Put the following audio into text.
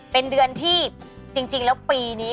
เป็นเดือนที่จริงแล้วปีนี้